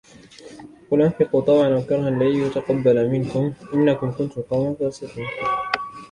قل أنفقوا طوعا أو كرها لن يتقبل منكم إنكم كنتم قوما فاسقين